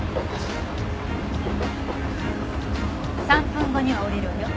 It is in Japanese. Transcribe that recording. ３分後には降りるわよ。